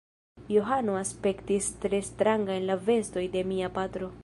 Johano aspektis tre stranga en la vestoj de mia patro.